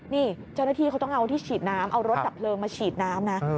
นี่เจ้าหน้าที่เขาต้องเอาที่ฉีดน้ำเอารถดับเพลิงมาฉีดน้ำนะ